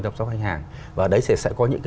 chăm sóc khách hàng và ở đấy sẽ có những